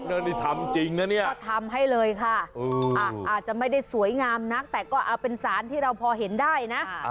แล้วนี่ทำจริงนะเนี่ยก็ทำให้เลยค่ะอาจจะไม่ได้สวยงามนักแต่ก็เอาเป็นสารที่เราพอเห็นได้นะ